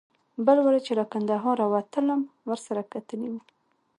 بل وار چې له کندهاره وتلم ورسره کتلي و.